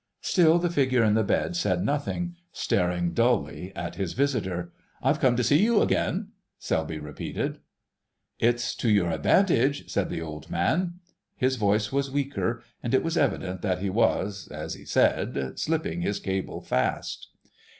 Still the figure in the bed said nothing, staring dully at his visitor. "I've come to see you again," Selby repeated. "It's to your advantage," said the old man. His voice was weaker, and it was evident that he was, as he said, slipping his cable fast.